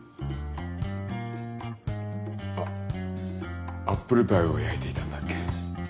あっアップルパイを焼いていたんだっけ。